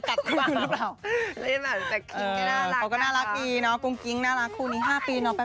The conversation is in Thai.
มันดูด์ว่าเลยกลับมาเกิดขึ้นหรือเปล่า